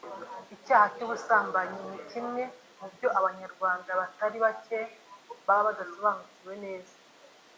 Icyaha cy’ubusambanyi ni kimwe mu byo Abanyarwanda batari bacye baba badasobanukiwe neza